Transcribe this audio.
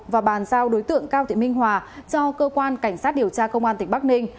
và bàn giao đối tượng cao thị minh hòa cho cơ quan cảnh sát điều tra công an tỉnh bắc ninh